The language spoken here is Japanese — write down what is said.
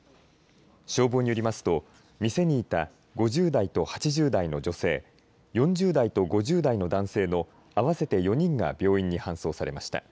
消防によりますと店にいた５０代と８０代の女性４０代と５０代の男性の合わせて４人が病院に搬送されました。